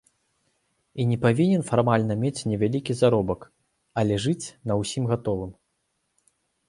І не павінен фармальна мець невялікі заробак, але жыць на ўсім гатовым.